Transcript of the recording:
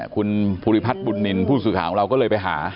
คุณภูริพัฒน์บุญนินทร์ผู้สื่อข่าวของเราก็เลยไปหา